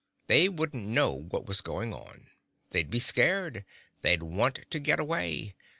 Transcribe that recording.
They wouldn't know what was going on. They'd be scared; they'd want to get away.